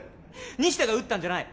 西田が撃ったんじゃない。